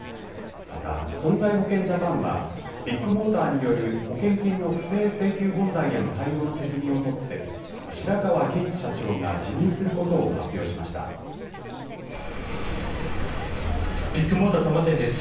また、損害保険ジャパンはビッグモーターによる保険金の不正請求問題への対応の責任を持って白川儀一社長がビッグモーター多摩店です。